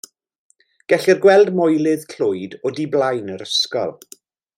Gellir gweld Moelydd Clwyd o du blaen yr ysgol.